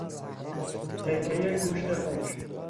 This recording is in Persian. تکهی گوشت خوک